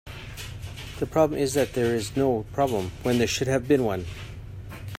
The problem is that there is no problem when there should have been one.